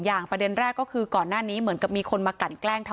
หลวงปู่นั่นก็เจอลักษณะคล้ายกัน